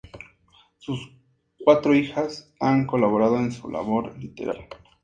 Sus cuatro hijas han colaborado en su labor literaria.